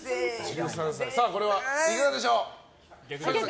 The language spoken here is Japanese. これはいかがでしょう。